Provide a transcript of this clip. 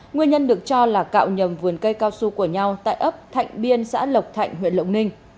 nguyên nhân được cho là cạo nhầm vườn cây cao su của nhau tại ấp thạnh biên xã lộc thạnh huyện lộc ninh